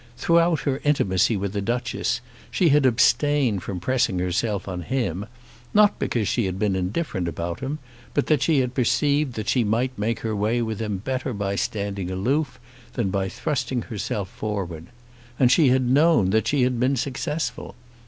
Throughout her intimacy with the Duchess she had abstained from pressing herself on him, not because she had been indifferent about him, but that she had perceived that she might make her way with him better by standing aloof than by thrusting herself forward. And she had known that she had been successful.